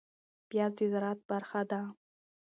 پياز د زراعت برخه ده